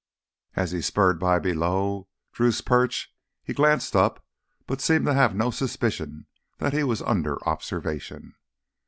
As he spurred by below Drew's perch he glanced up but seemed to have no suspicion that he was under observation.